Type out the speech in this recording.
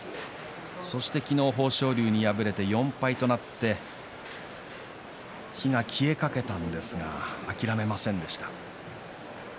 昨日、豊昇龍に敗れて４敗となって火が消えかけたんですが諦めませんでした。